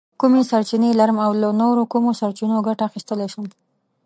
کومې سرچینې لرم او له نورو کومو سرچینو ګټه اخیستلی شم؟